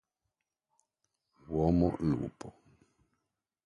Uomo lupo.